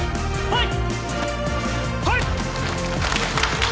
はい！